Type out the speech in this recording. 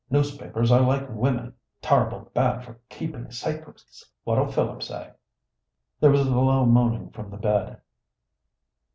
Newspapers are like women ter'ble bad for keeping sacrets. What'll Philip say?"... There was a low moaning from the bed.